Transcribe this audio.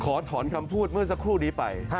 ขอถอนคำพูดเมื่อสักครู่นี้ไป